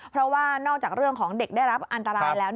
เพราะว่านอกจากเรื่องของเด็กได้รับอันตรายแล้ว